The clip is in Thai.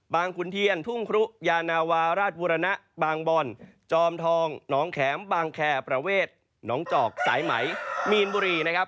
ขุนเทียนทุ่งครุยานาวาราชบุรณะบางบ่อนจอมทองหนองแข็มบางแคร์ประเวทหนองจอกสายไหมมีนบุรีนะครับ